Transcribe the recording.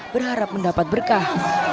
berharap mendapat berkah